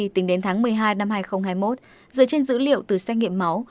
tính đến tháng một mươi hai năm hai nghìn hai mươi một dựa trên dữ liệu từ xét nghiệm máu